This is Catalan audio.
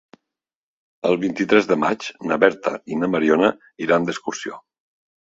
El vint-i-tres de maig na Berta i na Mariona iran d'excursió.